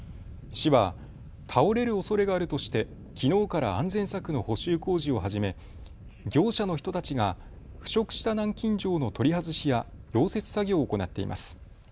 市は倒れるおそれがあるとしてきのうから安全柵の補修工事を始め業者の人たちが腐食した南京錠の取り外しや溶接作業を行っています。